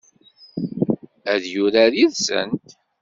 Ad yurar yid-sent?